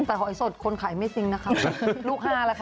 แต่หอยสดคนขายไม่สิ้งนะครับ